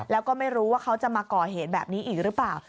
แล้วก็ไม่รู้ว่าเขาจะมาก่อเหตุแบบนี้อีกหรือเปล่า